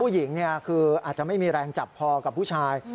ผู้หญิงคืออาจจะไม่มีแรงจับพอกับผู้ชาย